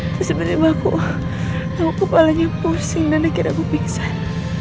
terus sementara aku nunggu kepalanya pusing dan dikira aku pingsan